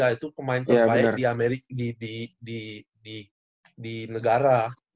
itu pemain pemain di amerika di negara